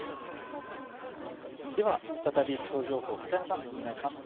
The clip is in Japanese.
では再び気象情報、片山さん、お願いします。